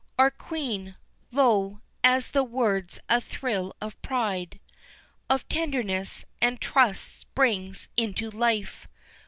Our Queen! lo, at the words a thrill of pride, Of tenderness, and trust springs into life.